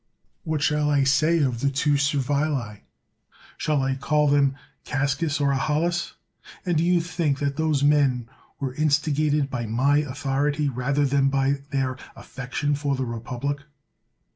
What shall I say of the two Servilii? Shall I call them Gascas, or Ahalas? And do you think that those men were instigated by my authority rather than by their affection for the republic